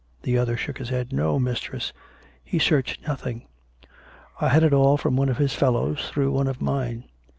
The other shook his head. " No, mistress ; he searched nothing. I had it all from one of his fellows through one of mine.